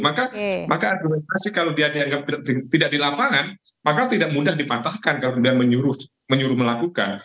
maka argumentasi kalau dia dianggap tidak di lapangan maka tidak mudah dipatahkan kalau kemudian menyuruh melakukan